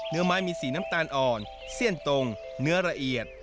เนื้อไม้มีสีน้ำตาลอ่อนเสี้ยนตรงเนื้อละเอียด